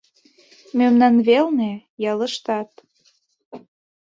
— Мемнан велне — ялыштат...